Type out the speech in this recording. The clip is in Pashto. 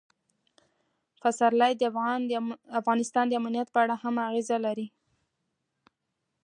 پسرلی د افغانستان د امنیت په اړه هم اغېز لري.